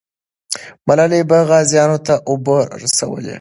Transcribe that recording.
ملالۍ به غازیانو ته اوبه رسولې.